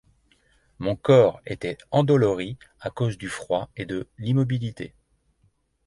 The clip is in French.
Mon corps était endolori à cause du froid et de l'immobilité.